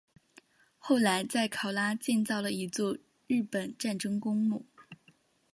后来在考拉建造了一座日本战争公墓。